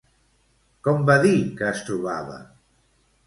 Com va dir que es trobava?